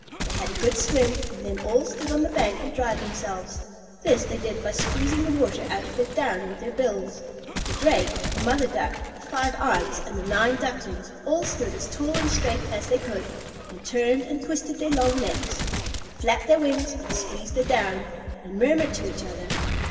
They had a good swim, and then all stood on the bank and dried themselves. This they did by squeezing the water out of their down with their bills. The Drake, the mother Duck, the five aunts, and the nine Ducklings all stood as tall and straight as they could, and turned and twisted their long necks, and flapped their wings, and squeezed their down, and murmured to each other.